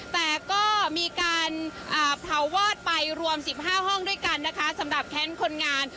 แต่ก็มีการเผาวอดไปรวม๑๕ห้องด้วยกันนะคะสำหรับแค้นคนงาน